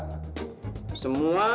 kamu duduk kamu istirahat